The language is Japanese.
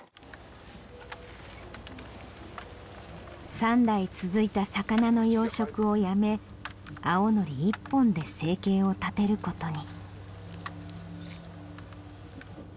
３代続いた魚の養殖をやめ青のり一本で生計を立てる事に。